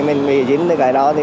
mình bị dính